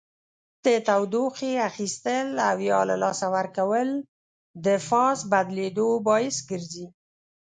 د تودوخې اخیستل او یا له لاسه ورکول د فاز بدلیدو باعث ګرځي.